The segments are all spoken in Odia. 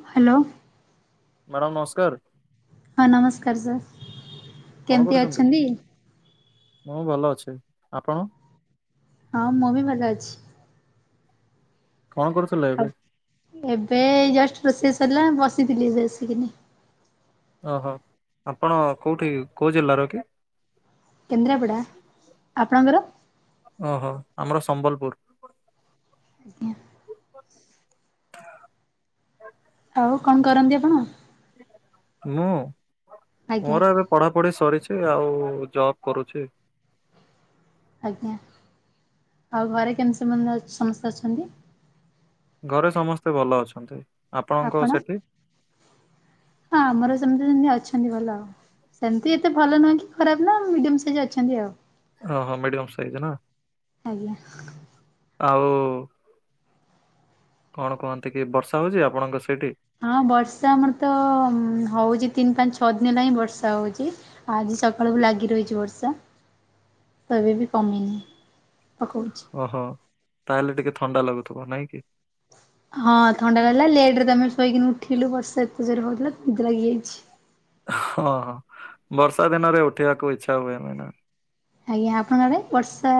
ହ୍ୟାଲୋ। ମ୍ୟାଡ଼ାମ୍ ନମସ୍କାର। ହଁ ନମସ୍କାର ସାର୍ କଣ କେମିତି କରୁଛନ୍ତି? ଅଛନ୍ତି? ମୁଁ ଭଲ ଅଛି। ଆପଣ? ହଁ ମୁଁ ବି ଭଲ ଅଛି। କଣ କରୁଥିଲେ ଆଉ ଏବେ? ଏବେ ଏଇ ଜଷ୍ଟ ରୋଷେଇ ସରିଲା ବସିଥିଲି ଏବେ ଆସିକିନି। ଓହୋ ଆପଣ କୋଉଠି କୋଉ ଜିଲ୍ଲାର କି? କେନ୍ଦ୍ରାପଡ଼ା? ଆପଣଙ୍କର ଓହୋ ଆମର ସମ୍ବଲପୁର। ଆଜ୍ଞା। ଆଉ କଣ କରନ୍ତି ଆପଣ? ମୁୁଁ ଆଜ୍ଞା ମୋର ଏବେ ପଢ଼ାପଢି ସରିଛି ଆଉ ଜବ୍ କରୁଛି। ଆଜ୍ଞା। ଆଉ ଘରେ କେମିତି ସମତେ ସମସ୍ତେ ଅଛନ୍ତି? ଘରେ ସମସ୍ତେ ଭଲ ଅଛନ୍ତି। ଆପଣଙ୍କ ଆପଣ? ସେଠି? ହଁ ଆମର ସେମିତି ସେମିତି ଅଛନ୍ତି ଭଲ ଆଉ। ସେମିତି ଏତେ ଭଲ ନୁହଁ କି ଖରାପ ନା ମିଡ଼ିୟମ୍ ସାଇଜ୍ ଅଛନ୍ତି ଆଉ। ଓହୋ ମିଡିୟମ୍ ସାଇଜ୍ ନା? ଆଜ୍ଞା। ଆଉ କଣ କୁହନ୍ତି କି ବର୍ଷା ହଉଛି ଆପଣଙ୍କ ସେଠି? ହଁ ବର୍ଷା ଆମର ତ ହଉଛି ତିନି ପାଞ୍ଚ ଛଅ ଦିନ ହେଲା ହିଁ ବର୍ଷା ହଉଛି। ଆଜି ସକାଳକୁୁ ଲାଗି ରହିଛି ବର୍ଷା। ଏବେ ବି କମିନି ପକଉଛି। ଓହୋ ତାହେଲେ ଟିକେ ଥଣ୍ଡା ଲାଗୁଥିବ ନାଇଁ କି? ହଁ ଥଣ୍ଡା ଲାଗିଲା ଲେଟ୍ ରେ ତ ଆମେ ଶୋଇକିନି ଉଠିଲୁ ବର୍ଷା ଏତେ ଜୋରେ ହଉଥିଲା ନିଦ ଲାଗିଯାଇଛି। ହଁ ବର୍ଷା ଦିନରେ ଉଠିବାକୁ ଇଛା ହୁଏନି ନା? ଆଜ୍ଞା ଆପଣଙ୍କ ଆଡେ ବର୍ଷା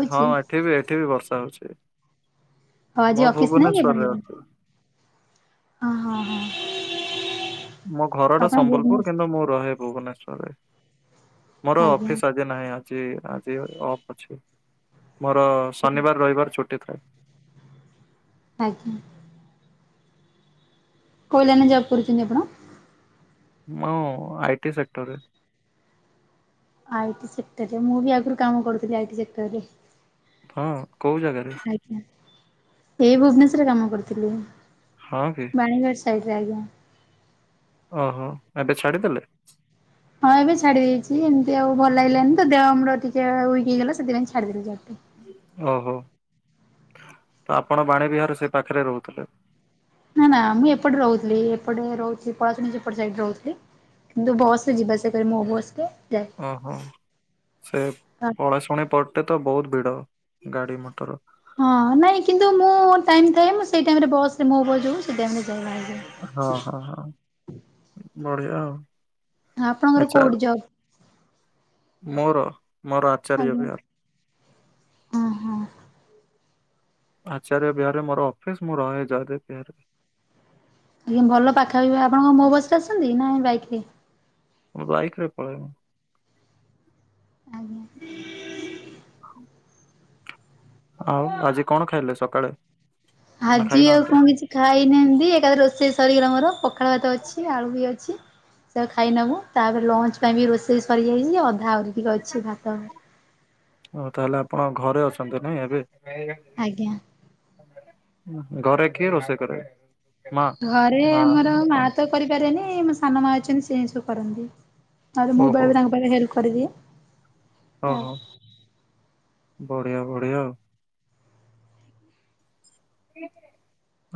ହଉଛି? ଏଠିବି ଏଠିବି ବର୍ଷା ହଉଛି। ହଁ ଆଜି ମୁଁ ଅଫିସ୍ ନାଇଁ କି ଭୁବନେଶ୍ଵରରେ ଆପଣଙ୍କର? ଅଛି। ଅ ହଁ ହଁ। ମୋ ଘର ଟା ଆପଣ ସମ୍ବଲପୁର କିନ୍ତୁ ଭୁବନେଶ୍ୱର ମୁଁ ରହେ ଭୁବନେଶ୍ଵରରେ। ମୋର ଆଜ୍ଞା ଅଫିସ୍ ଆ ନାହିଁ ଆଜି ଆଜି ଅଫ୍ ଅଛି। ମୋର ଶନିବାର ରଇବାର ଛୁଟି ଥାଏ। ଆଜ୍ଞା। କୋଉ ଲାଇନ୍ ରେ ଯବ୍ କରିଛନ୍ତି ଆପଣ? ମୁଁ ଆଇଟି ସେକ୍ଟରରେ। ଆଇଟି ସେକ୍ଟରରେ ମୁଁ ବି ଆଗରୁ କାମ କରୁଥିଲି ଆଇଟି ସେକ୍ଟରରେ। ହଁ କୋଉ ଜାଗାରେ? ଆଜ୍ଞା, ଏ ଭୁବନେଶ୍ଵରରେ କାମ କରିଥିଲି, ହଁ କି? ବାଣିଗଡ଼ ସାଇଡ଼ରେ ଆଜ୍ଞା। ଓହଁ, ଏବେ ଛାଡ଼ିଦେଲେ? ହଁ ଏବେ ଛାଡି ଦେଇଛି ଏମିତି ଆଉ ଭଲ ଲାଗିଲାନି ତ ଦେହ ଆମର ଟିକେ ୱିକ୍ ହେଇଗଲା ସେଥିପାଇଁ ଛାଡିଦେଲି। [unintelligible] ଓହୋ ତ ଆପଣ ବାଣୀବିହାରରୁ ସେ ପାଖରେ ରହୁଥିଲେ। ନାଁ ନାଁ ମୁଁ ଏପଟେ ରହୁଥିଲି ଏପଟେ ରହୁଥିଲି ପଳାଶୁଣି ସେପଟ ସାଇଟ୍ ରହୁଥିଲି। କିନ୍ତୁ ବସରେ ଯିବା ଆସିବା କରେ ମୋ ବସରେ ଯାଏ। ଓହୋ, ସେ ପଳାଶୁଣି ପଟେ ତ ବହୁତ ଭିଡ଼ ଗାଡ଼ି ମଟର। ହଁ ନାଇଁ କିନ୍ତୁ ମୁଁ ଟାଇମ୍ ଥାଏ ମୁଁ ସେଇ ଟାଇମରେ ବସ୍ ରେ ମୋ ବସ୍ ଯୋଉ ସେ ଟାଇମ୍ ରେ ଯାଏ। [unintelligible] ହଁ, ହଁ, ହଁ ବଢ଼ିଆ ଆଉ। ହଁ ଆପଣଙ୍କର ଆଚ୍ଛା କୋଉଠି ଯବ୍? ମୋର, ମୋର ଆଜ୍ଞା ଆଚାର୍ଯ୍ୟବିହାର। ହଁ ହଁ। ଆଚାର୍ଯ୍ୟବିହାରରେ ମୋର ଅଫିସ୍ ମୁଁ ରହେ ଯୟଦେବ ବିହାରରେ। ଆଜ୍ଞା ଭଲ ପାଖାପାଖି ଆପଣ କଣ ମୋ ବସ୍ ରେ ଆସନ୍ତି ନା ଏଇ ବାଇକ୍ ରେ? ମୁ ବାଇକରେ ପଳେଇବ। ଆଜ୍ଞା। [inaudible] ଆଉ ଆଜି କଣ ଖାଇଲେ ସକାଳେ? ନା ଆଜି ଆଉ ଖାଇନାହାନ୍ତି? କଣ କିଛି ଖାଇନାହାନ୍ତି, ଏକାଥରେ ରୋଷେଇ ସରିଗଲା ମୋର ପ ପଖାଳ ଭାତ ଅଛି, ଆଳୁ ବି ଅଛି। ସେ ଖାଇ ନବ, ତାପରେ ଲଞ୍ଚ୍ ପାଇଁ ବି ରୋଷେଇ ସରିଯାଇଛି ଅଧା ଆହୁରିି ଟିକେ ଅଛି ଭାତ। ଓଃ ତାହେଲେ ଆପଣ ଘରେ ଅଛନ୍ତି ନାଇଁ ଏବେ? ଆଜ୍ଞା। ଘରେ କିଏ ରୋଷେଇ କରେ? ମା ଘରେ ନା ଆମର ମା ଆପଣ ତ କରିପାରେନି ମୋ ସାନମା ଅଛନ୍ତି ସେ ହିଁ ସବୁ କରନ୍ତି। ଆଉରି ମୁଁ ଓହୋ ବେଳେବେ ତାଙ୍କ ପାଇଁ ହେଲ୍ପ କରଦିଏ। ଓହୋ, ବଢ଼ିଆ ବଢ଼ିଆ ଆଉ।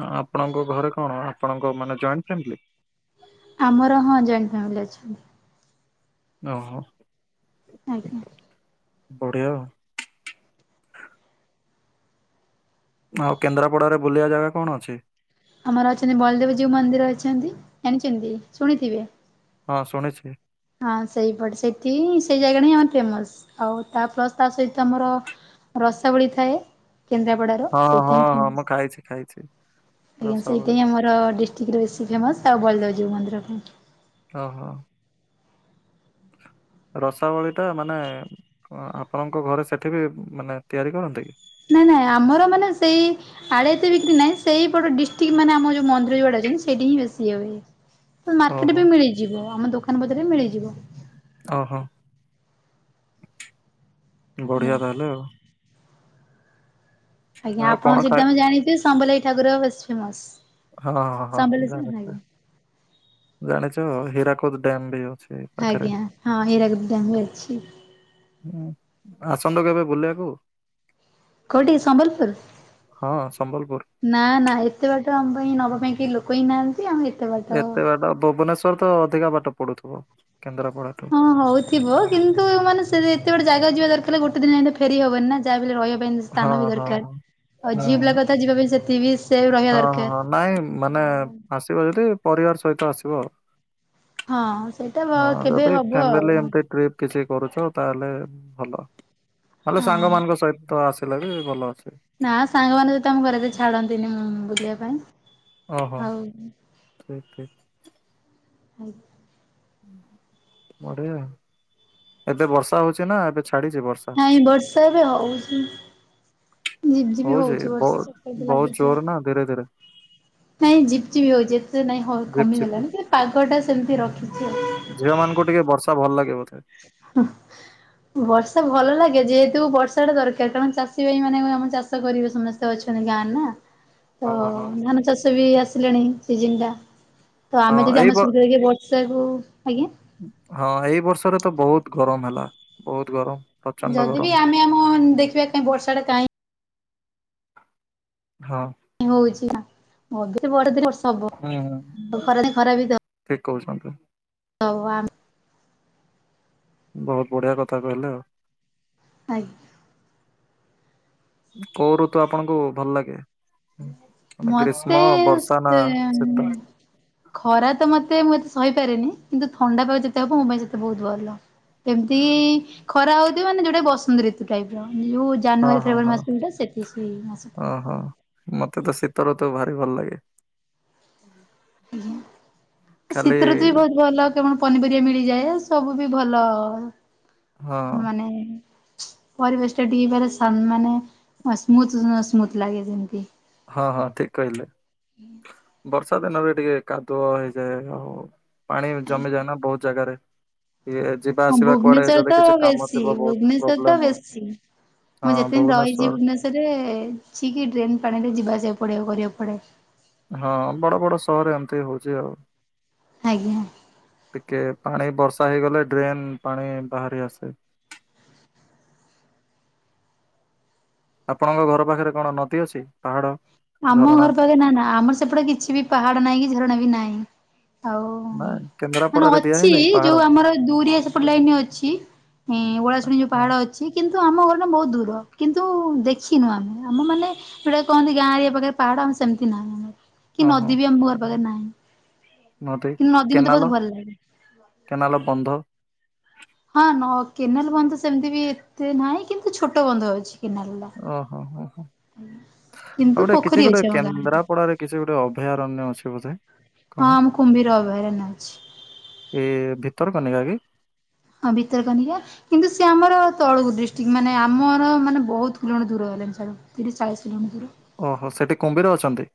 ଆ ଆପଣଙ୍କ ଘରେ କଣ ଆପଣଙ୍କ ମାନେ ଜଏଣ୍ଟ ଫ୍ୟାମିଲି? ଆମର ହଁ ଜଏଣ୍ଟ ଫ୍ୟାମିଲି ଅଛନ୍ତି। ଓହୋ। ଆଜ୍ଞା। ବଢ଼ିଆ। ଆଉ କେନ୍ଦ୍ରାପଡ଼ାରେ ବୁଲିବା ଜାଗା କଣ ଅଛି? ଆମର ଅଛନ୍ତି ବଳଦେବ ଯୋଉ ମନ୍ଦିର ଅଛନ୍ତି, ଜାଣିଛନ୍ତି ଶୁଣିଥିବେ? ହଁ ଶୁଣିଛି। ହଁ ସେଇପଟେ ସେଠି ସେଇ ଜାଗାଟା ହିଁ ଆମର ଫେମସ୍, ଆଉ ତା ପ୍ଲସ୍ ତା ସହିତ ଆମର ରସାବଳି ଥାଏ, କେନ୍ଦ୍ରାପଡ଼ା ତ ହଁ ସେଇଟା ହଁ ହିଁ ହଁ ଫେମସ୍, ମୁଁ ଖାଇଛି ଖାଇଛି ଆଜ୍ଞା ରସାବଳି ସେଇଟା ହିଁ ଆମର ର ଡିଷ୍ଟ୍ରିକ୍ଟରେ ବେଶୀ ଫେମସ୍ ଆଉ ବଳିଦେବ ଜୀଉ ମନ୍ଦିର ପାଇଁ। ଓହୋ। ରସାବଳୀଟା ମାନେ କଣ ଆପଣଙ୍କ ଘରେ ସେଠିବି ମାନେ ତିଆରି କରନ୍ତି କି? ନାଇଁ ନାଇଁ ଆମର ମାନେ ସେଇ ଆଡ଼େ ଏତେ ବିକ୍ରି ନାହିଁ ସେଇପଟ ଡିଷ୍ଟ୍ରିକ୍ ମାନେ ଆମ ଯୋଉ ମନ୍ଦିର ଯୁଆଡେ ଅଛନ୍ତି ସେଠି ହିଁ ବେଶି ଇଏ ହୁଏ। ହଁ ମାର୍କେଟ ଓହୋ ବି ମିଳିଯିବ ଆମ ଦୋକାନ ବଜାରେ ମିଳିଯିବ। ଓହୋ। ଆଜ୍ଞା। ବଢିଆ ତାହେଲେ ଆଉ। ଆଜ୍ଞା ଆଉ କଣ ଆପଣଙ୍କ ସେଠି ଖାଏ ତୋମେ ଜାଣିଛେ ସମ୍ବଲେଇ ଠାକୁର ବେଶୀ ଫେମସ୍। ହଁ, ହଁ, ହଁ ସମ୍ବଲେଇ ଜାଣିଚେ, ଆଜ୍ଞା। ଜାଣିଛୁ ହୀରାକୁଦ ଡ୍ୟାମ୍ ବି ଯୋଉ। ଆଜ୍ଞା ହଁ ହୀରାକୁଦ ଡ୍ୟାମ୍ ବି ଅଛି। ହଁ ଆସନ୍ତୁ କେବେ ବୁଲିବାକୁ। କୋଉଠି ସମ୍ବଲପୁର? ହଁ ସମ୍ବଲପୁର ନା ନା ଏତେ ବାଟ ଆମ ପାଇଁ ନବା ପାଇଁ କେଇ ଲୋ କ ହି ନାହାନ୍ତି ଆଉ ଏତେ ବାଟ ସେଟା ଭୁବନେଶ ତୋର ତ ଅଧିକା ବାଟ ପଡୁଥିବ କେନ୍ଦ୍ରାପଡ଼ା। ହଁ ହଉଥିବ କିନ୍ତ ତ ମାନେ ସେ ଏତେବେଟେ ଜାଗା ଯିବା ଦରକାର ଗୋଟେ ଦିନରେ ଯାଇ ଫେରି ହବନି ନା। ଯା ବି ହେଲେ ରହିବା ପାଇଁ ସ୍ଥାନ ବି ହଁ ହଁ ଦରକାର। ଆଉ ହୁଁ ଝିଅ ହୁଁ। ପିଲା କଥା ଯିବା ପାଇଁ ସେତି ବି ସେଭ୍ ରହିବା ହଁ, ହଁ, ଦରକାର। ହଁ ନାଇଁ ମାନେ ଆସିବ ଯଦି ପରିବାର ସହିତ ଆସିବ। ହଁ ସେଇଟା ବ ହଁ କେବେ ଯଦି ହବ ଆଉ ଫ୍ୟାମିଲି ଏମତି ଟ୍ରିପ୍ କିଛି କରୁଛ ତାହେଲେ ଭଲ। ନହେଲେ ସାଙ୍ଗ ହଁ। ମାନଙ୍କ ସହିତ ଆସ ଥିଲେ ବି ଭଲ ଅଛି। ନା ସାଙ୍ଗମାନେ ବି ତ ଆମ ଘରେ ଛାଡନ୍ତିନି ଉଁ, ବୁଲିବା ପାଇଁ। ଓହୋ, ଆଉ ଠିକ୍ ଠିକ୍। ଆଜ୍ଞା। ବଢିଆ ଏବେ ବର୍ଷା ହଉଛି ନା ଏବେ ଛାଡିଛି ବର୍ଷା? ନାଇଁ ବର୍ଷା ଏବେ ହଉଛି। ଝିିପଝିିପ ହଉଛି ହଉଛିି ବର୍ଷ ବହୁତ [unintelligible] ବହୁତ ଲାଗିଥିଲା। ଜୋର ନା ଧୀରେ ଧୀରେ ନାଇଁ ଝିପ୍ ଚିପ୍ ହଉଛି ଏତେ ନାଇଁ ଝିପ୍ ଝିପ୍ ହୋ-କମିଗଲାଣି ଯ ପାଗ ଟା ସେମିତି ରଖିଛି ଆଉ। ଝିଅମାନଙ୍କୁ ଟିକେ ବର୍ଷା ଭଲ ଲାଗେ ବୋଧେ? ହଁ। ବର୍ଷା ଭଲ ଲାଗେ ଯେହେତୁ ବର୍ଷା ଟା ଦରକାର କାରଣ ଚାଷୀ ଭାଇ ମାନେ ବି ଆମ ଚାଷ ଷ କରିବେ ସମସ୍ତେ ଅଛନ୍ତି ଗାଁ ନା। ତ ହଁ ହଁ ଧାନ ଚାଷ ବି ଆସିଲେଣି ସିଜିିନ ଟା ତ ହଁ ଆମେ ଯଦି ଏଇ ଆମେ ବ ସୁବିଧା ଦେଖି ବର୍ ଷା କୁ ଆଜ୍ଞା ହଁ ଏଇ ବର୍ଷରେ ତ ବହୁତ ଗରମ ହେଲା ବହୁତ ଗରମ। ପ୍ରଚଣ୍ଡ ଯଦି ବିି ଗରମ ଆମେ ଆମ ଦେଖିବା କାଇଁ ବର୍ଷା ଟା କାଇଁ ହଁ। ହଉଛି ନା, ମଝିରେ ବଡ ଦିନ ବର୍ଷ ହବ ଏଁ ଆଉ ହଁ ଖରାଦିନେ ଠିକ କହୁଛନ୍ତି। ହଉ ଆମ ବହୁତ ବଢିଆ କଥା କହିଲେ ଆଉ। ଆଜ୍ଞା। କୋଉ ଋତୁ ଆପଣଙ୍କୁ ଭଲ ଲାଗେ? ମାନେ ଗ୍ରୀଷ୍ମ ମୋତେ ବର୍ଷା ନା ସେ ଶୀତ ଉଁ, ଖରା ତ ମୋତେ ମୁଁ ଏତେ ସହିପାରେନି କିନ୍ତୁ ଥଣ୍ଡା ପାାଗ ଯେତେ ହବ ମୋ ପାଇଁ ସେତେ ବହୁତ ଭଲ। କେମତି ଏଇ ଖରା ହଉଥିବ ମାନେ ଯୋଉଟା ବସନ୍ତ ଋତୁ ଟାଇପ୍ ର ଯୋଉ ହଁ ଜାନୁଆରୀ ହଁ ଫେବୃୟାରୀ ହଁ ମାସ ଯୋଉଟା ସେଟି ସେଇ ମାସ ଟା। ଓହୋ ମତେ ତ ଶୀତ ଋତୁ ଭାରି ଭଲ ଲାଗେ ହୁଁ ଖାଲି ଶୀତ ଋତୁ ବି ବହୁତ୍ ଭଲ କେ କଣ ପନିପରିବା ମିଳିଯାଏ ସବୁ ବି ଭଲ ହଁ ମାନେ ପରିବେଶ ଟା ଟିକେ ବାର ସମାନେ ସ୍ମୁଥ ସ୍ମୁଥ ଲାଗେ ଯେମତି ହଁ ହଁ ଠିକ୍ କହିଲେ ବର୍ଷା ଦିନରେ ଟିକେ କାଦୁଅ ହେଇଯାଏ ଆଉ ପାଣି ଜମିଯାଏ ନା ବହୁତ୍ ଜାଗାରେ ଇଏ ହଁ ଭୁବନେଶ୍ଵର ତ ବେଶୀ ବହୁତ ଭୁବନେଶ୍ଵର ତ ପ୍ରୋବ୍ଲେମ ହୁଏ ବେଶୀ ମୁଁ ହଁ ଯେତେ ଦିନ ରହିଛି ଭୁବନେଶ୍ଵର ଭୁବନେଶ୍ୱରରେ ଲୁଚିକି ଡ୍ରେନ ପାଣି ରେ ଯିବା ଆସିବା ପଡ଼ିବା କୁ କରିବାକୁ ପଡେ ହଁ ବଡ ବଡ ସହର ଏମତି ହଉଛି ଆଉ ଆଜ୍ଞା ଟିକେ ପାଣି ବର୍ଷା ହେଇଗଲେ ଡ୍ରେନ ପାଣି ବାହାରି ଆସେ ଆପଣଙ୍କ ଘର ପାଖେରେ କଣ ନଦୀ ଅଛି ପାହାଡ ଆମ ଝରଣା ଘର ପାଖରେ ନା ନା ଆମର ସେପଟେ କିଛି ବି ପାହାଡ ନାଇଁ କି ଝରଣା ବି ନାଇଁ ମାରେ ମାନେ ଅଛି ଯୋଉ ଆମର ଦୁରିଆ ସେପଟ୍ ଲାଇନ୍ ଅଛି ଓଳାଶୁଣି ଯୋଉ ହଁ ପାହାଡ ଅ ଛି କିନ୍ତୁ ଆମ ଘରଠୁ ବହୁତ୍ ଦୂର କିନ୍ତୁ ଦେଖିନୁ ଆମେ ଆମ ମାନେ ସେଟା କହନ୍ତି ଗାଁ ରେ ଏ ପାଖେ ପାହାଡ ଆମ ସେମିତି ନାହିଁ କି ଓହୋ ନଦୀ ବି ଆମ ଘର ପାଖରେ ନାହିଁ କିନ୍ତୁ ନଦୀ ମତେ ବହୁତୁ ଭଲ୍ ଲାଗେ କେନାଲ ବନ୍ଧ ହଁ ନହ କେନାଲ ବନ୍ଧ ସେମିତି ବି ଏତେ ନାହିଁ କିନ୍ତୁ ଛୋଟ ବନ୍ଧ ଅଛି କେନାଲଲା ଓହୋ ହୋ ହୋ। ଆଉ ଗୋଟେ କିଛି ଗୁଟେ କେନ୍ଦ୍ରାପଡାରେ କିଛି ଗୋଟେ ଅଭୟାରଣ୍ୟ ଅଛି ବୋଧେ କଣ ହଁ ଆମ କୁମ୍ଭୀର ଅଭୟାରଣ୍ୟ ଅଛି ଏ ଭିତର କନିକା କି ହଁ ଭିତର କନିକା କିନ୍ତୁ ସେ ଆମର ତଳୁକୁ ଡିଷ୍ଟ୍ରିକ୍ଟ ମାନେ ଆମର ମାନେ ବହୁତ କିଲୋମିଟର ଦୂର ହେଲାଣି ଛାଡ଼ ତିରିଶ ଚାଳିଶ କିଲୋମିଟର ଦୂର ଓହୋ ସେଠି କୁମ୍ଭିର ଅଛନ୍ତି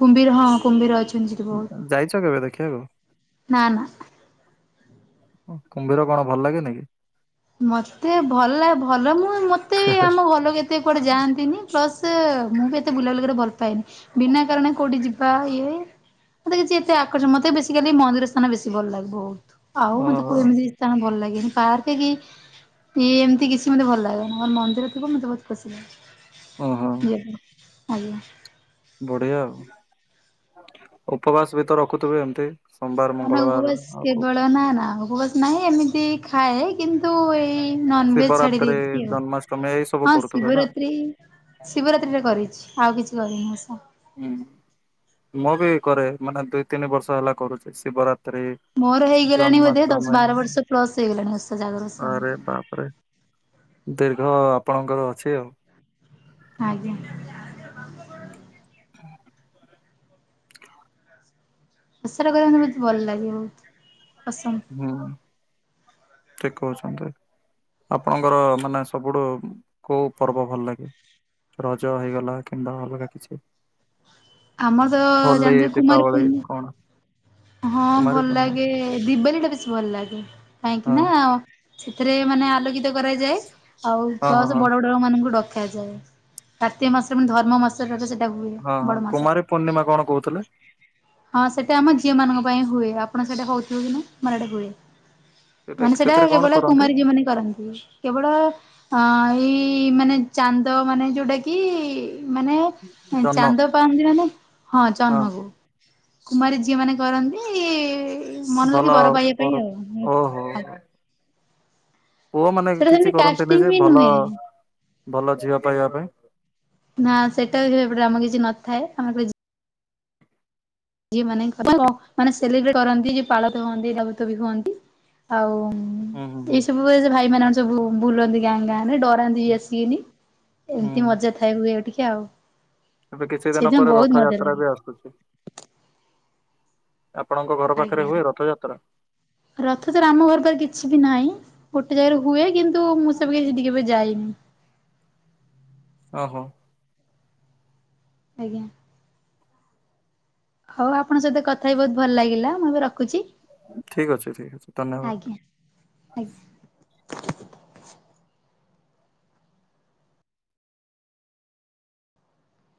କୁମ୍ଭୀର ହଁ କୁମ୍ଭୀର ଅଛନ୍ତି ସେଠି ବହୁତ୍ ଯାଇଚ କେବେ ଦେଖିବାକୁ ନାଁ ନା ଓଃ କୁମ୍ଭୀର କଣ ଭଲ ଲାଗେନିକି ମତେ ଭଲ ଭଲ ମୁଁ ମତେ ବି ଆମ ଘରଲୋକ କେତେ କୁଆଡେ ଯାଆନ୍ତିନି ପ୍ଲସ୍ ସେ ମୁଁ ବି ଏତେ ବୁଲାବୁଲି କରିବାକୁ ଭଲ ପାଏନି ବିନା କାରଣ କୋଉଠି ଯିବା ଇଏ ମତେ କିଛି ହେତେ ଆକର୍ଷଣ ମତେ ବେସିକାଲି ମନ୍ଦିର ସ୍ଥାନ ବେଶୀ ଭଲ ଲାଗେ ବହୁତ୍ ଆଉ ମତେ ଓହୋ କୋଉ ଏମିତି ସ୍ଥାନ ଭଲ ଲାଗେନି ପାର୍କ କି ଇ ଏମତି କିଛି ମତେ ଭଲ ଲାଗେନା ମୋ ମନ୍ଦିର ଥିବ ମତେ ବହୁତ ଖୁସି ଲାଗେ ଓଃ ୟେସ ଆଜ୍ଞା ବଢିଆ ଆଉ ଉପ ଉପବାସ ବି ତ ରଖୁଥିବେ ଏମତି ହଁ ନା ଉପବାସ କେବଳ ନା ନା ଉପବାସ ନାହିଁ ଏମିତି ଖାଏ କିନ୍ତୁ ଏଇ ନନଭେଜ ଛାଡି ଶିବରାତ୍ରି ଦେଇଛି ଆଉ ଜନ୍ମାଷ୍ଟମୀ ଏଇ ସବୁ ହଁ କରୁଥିବେ ନା ଶିବରାତ୍ରି ଶିବରାତ୍ରିରେ କରିଛି ଆଉ କିଛି କରିନି ଓଷା ହୁଁ ମୁ ବି କରେ ମାନେ ଦୁଇ ତିନି ବର୍ଷ ହେଲା କରୁଛି ଶିବରାତ୍ରି ମୋର ହେଇଗଲାଣି ବୋଧେ ଦଶ ଜନ୍ମାଷ୍ଟମୀ ବାର ବର୍ଷ ପ୍ଲସ୍ ହେଇଗଲାଣି ଓଷା ଜାଗର ଓଷା ମୋର ତାପରେ ଦୀର୍ଘ ଆପଣଙ୍କର ଅଛି ଆଉ। ଆଜ୍ଞା। [inaudible] ପ୍ରସାର କରିବା ମୋତେ ବହୁତ ଭଲ ଲାଗିବ ପସନ୍ଦ। ହୁଁ ଠିକ କହୁଛନ୍ତି। ଆପଣଙ୍କର ମାନେ ସବୁଠୁ କୋଉ ପର୍ବ ଭଲ ଲାଗେ। ରଜ ହେଇଗଲା କିମ୍ବା ଅଲଗା କିଛି। ଆମର ତ ହୋଲି ଜାଣିଥିବେ କୁମାର ଦିପାବଳି ପୂର୍ଣ୍ଣି କଣ? ହଁ କୁମାରୀ ଭଲ ପୂର୍ଣ୍ଣିମା ଲାଗେ ଦିିବାଲି ଟା ବେଶୀ ଭଲ ଲାଗେ କାହିଁକି ହଁ ନା ସେଥିରେ ମାନେ ଆଲୋକିତ କରାଯାଏ ଆଉ ହଁ ହଁ ପ୍ଲସ ହଁ। ବଡ ବଡ [unintelligible] ମାନଙ୍କୁ ଡକାଯାଏ କାତ୍ତିକ ମାସ ମାନେ ଧର୍ମ ମାସ ଟ ସେଟା ହୁଏ ହଁ ହଁ ବଡ କୁମାରୀ ମାସରେ। ପୂର୍ଣ୍ଣିମା କଣ କହୁଥିଲେ ହଁ ସେଟା ଆମ ଝିଅ ମାନଙ୍କ ପାଇଁ ହୁଏ ଆପଣ ସେଠା ହଉଥିବ କି ନା ଆମ ଆଡେ ହୁଏ। ସେଟା ମାନେ ସେଇଟା ସେଥିରେ କଣ କେବଳ କରନ୍ତି କୁମାରୀ ଝିଅ ମାନେ ହଁ କରନ୍ତି। କେବଳ ଅ ଏଇ ମାନେ ଚାନ୍ଦ ମାନେ ଯୋଉଟା କି ମାନେ ଜହ୍ନ ଚାନ୍ଦ ପାଆନ୍ତି ନାନାୟ ହଁ ଚହ୍ନକୁ କୁମାରୀ ଝିଅ ମାନେ କରନ୍ତି ମନ ଭଲ ଲାଗି ବର ପାଇବା ପାଇଁ ଆଉ। ଓହୋ ଆଜ୍ଞା ପୁଅ ମାନେ ସେଟା କିଛି ସେମିତି କରନ୍ତିନି କାଷ୍ଟିଂ ଯେ ବି ଭଲ ନୁହେଁ। ଭଲ ଝିଅ ପାଇବା ପାଇଁ। ନା ସେଇଟା ବି ଏପଟେ ଆମର କିଛି ନଥାଏ ଆମେ ଝିଅ ମାନେ ମାନେ ସେଲିବ୍ରେଟ କରନ୍ତି ଯେ ପାଳ ଧୁଅନ୍ତି ଦବତ ବି ଧୁଅନ୍ତି ଆଉ। ହୁଁ ହୁଁ ଏଇ ସବୁ ଭାଇ ମାନେ ସବୁ ବୁଲନ୍ତି ଗାଁ ଗାଁ ଡରାନ୍ତି। ସି ହୁଁ ଆସିକିନି ଏମିତି ହୁଁ ମଜା ଥାଏ ହୁଏ ଟିକେ ଆଉ। ଏବେ କିଛି ଦିନ ସେଇଦିନ ପରେ ବହୁତ ମଜା ରଥଯାତ୍ରା ଲାଗେ ବି ଆସୁଛି। ଆପଣଙ୍କ ଘର ପାଖରେ ହୁଏ ରଥଯାତ୍ରା। ରଥ ଯାତ୍ରା ଆମ ଘର ପାଖରେ କିଛି ବି ନାହିଁ। ଗୋଟେ ଜାଗାରେ ହୁଏ କିନ୍ତୁ ମୁଁ ସେବେ ସେଠି କେବେ ଯାଇନି। ଓହୋ। ଆଜ୍ଞା। ହଉ ଆପଣଙ୍କ ସହିତ କଥା ହେଇ ବହୁତ ଭଲ ଲାଗିଲା ମୁଁ ଏବେ ରଖୁଛି। ଠିକ ଅଛି ଠିକ୍ ଅଛି ଧନ୍ୟବାଦ। ଆଜ୍ଞା ଆଜ୍ଞା।